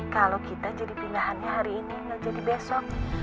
kalau kita jadi tinggahannya hari ini nel jadi besok